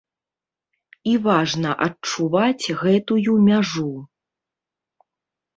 І важна адчуваць гэтую мяжу.